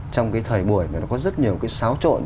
trong thời buổi có rất nhiều sáo trộn